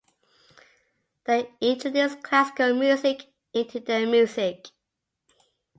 They introduced classical music into their music.